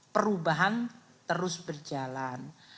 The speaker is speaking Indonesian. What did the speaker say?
perubahan terus berjalan